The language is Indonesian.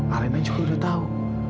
alena juga udah tahu